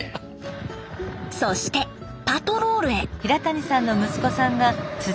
そしてパトロールへ。